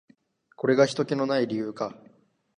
これがひとけの無い理由か。